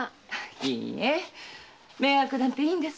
いいえ迷惑なんていいんですよ。